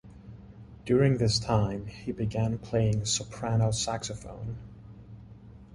During this time, he began playing soprano saxophone.